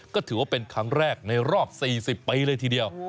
ก็ถือว่าเป็นครั้งแรกในรอบ๔๐ปีเลยทีเดียว